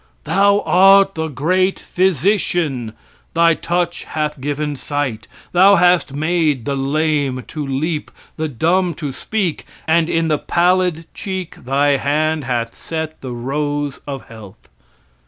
Thou art the great physician. Thy touch hath given sight. Thou hast made the lame to leap, the dumb to speak, and in the pallid cheek thy hand hath set the rose of health.